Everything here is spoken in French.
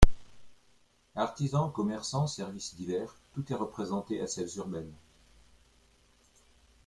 Artisans, commerçants, services divers, tout est représenté à Celles-sur-Belle.